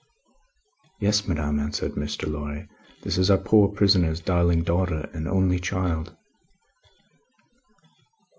"Yes, madame," answered Mr. Lorry; "this is our poor prisoner's darling daughter, and only child."